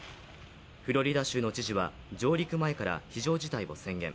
フロリダ州の知事は上陸前から非常事態を宣言。